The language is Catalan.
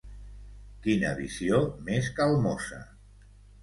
Quina visió més calmosa!